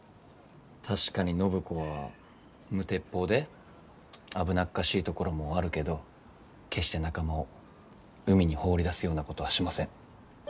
確かに暢子は無鉄砲で危なっかしいところもあるけど決して仲間を海に放り出すようなことはしません。